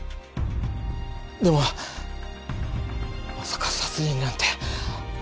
でもまさか殺人なんて。